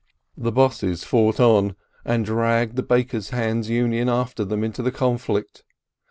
The "bosses" fought on, and dragged the bakers' hands Union after them into the conflict.